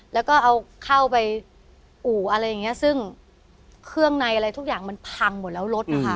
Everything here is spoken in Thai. แล้วก็เอาเข้าไปอู่อะไรอย่างเงี้ยซึ่งเครื่องในอะไรทุกอย่างมันพังหมดแล้วรถนะคะ